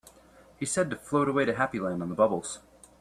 He said to float away to Happy Land on the bubbles.